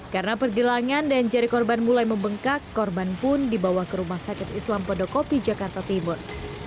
karena pergilangan dan jari korban mulai membengkak korban pun dibawa ke rumah sakit islam podokopi jakarta timur